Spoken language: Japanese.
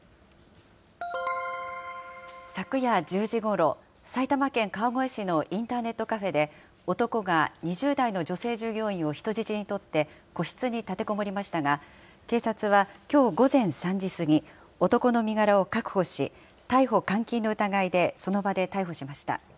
昨夜１０時ごろ、埼玉県川越市のインターネットカフェで、男が２０代の女性従業員を人質にとって個室に立てこもりましたが、警察はきょう午前３時過ぎ、男の身柄を確保し、逮捕監禁の疑いでその場で逮捕しました。